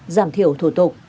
giảm thiểu thủ tục